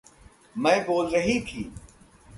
मैं बोल रही थी।